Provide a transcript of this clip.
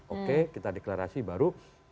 oke kita deklarasi baru